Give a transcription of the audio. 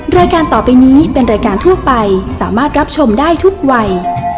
รายการต่อไปนี้เป็นรายการทั่วไปสามารถรับชมได้ทุกวัย